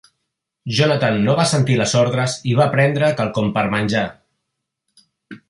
Jonatan no va sentir les ordres i va prendre quelcom per menjar.